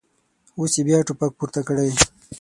اوس یې بیا ټوپک پورته کړی.